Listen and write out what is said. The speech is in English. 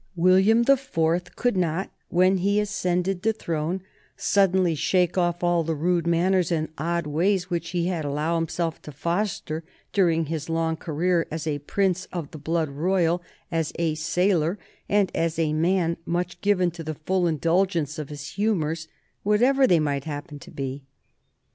William the Fourth could not, when he ascended the throne, suddenly shake off all the rough manners and odd ways which he had allowed himself to foster during his long career as a Prince of the Blood Royal, as a sailor, and as a man much given to the full indulgence of his humors, whatever they might happen to be.